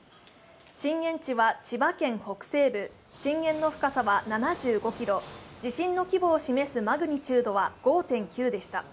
震源地は千葉県北西部、震源の深さは７５ｋｍ、地震の規模を示すマグニチュードは５．９でした。